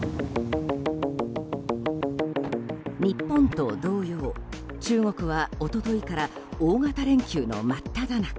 日本と同様、中国は一昨日から大型連休の真っただ中。